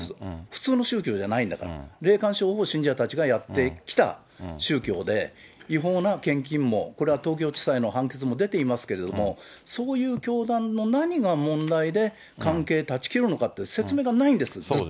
普通の宗教じゃないんだから、霊感商法を信者たちがやってきた宗教で、違法な献金も、これは東京地裁の判決も出ていますけれども、そういう教団の何が問題で、関係を断ち切るのかって、そうですね。